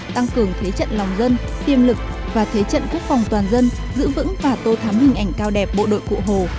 tăng cường thế trận lòng dân tiêm lực và thế trận quốc phòng toàn dân giữ vững và tô thám hình ảnh cao đẹp bộ đội cụ hồ